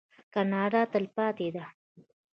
کاناډا تلپاتې ده.